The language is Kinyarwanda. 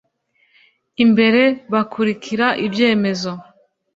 imbere bakurikira ibyerekezo